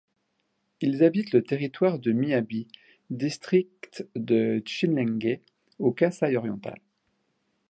Ils habitent le territoire de Miabi, district de Tshilenge au Kasai-Oriental.